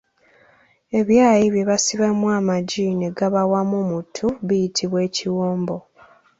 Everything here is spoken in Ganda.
Ebyayi bye basibamu amagi ne gaba wamu mu ttu biyitibwa Ekiwombo.